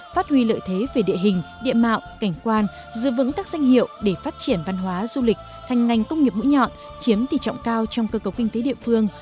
phát huy lợi thế về địa hình địa mạo cảnh quan giữ vững các danh hiệu để phát triển văn hóa du lịch thành ngành công nghiệp mũi nhọn chiếm tỷ trọng cao trong cơ cầu kinh tế địa phương